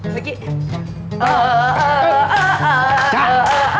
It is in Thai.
ปะกี้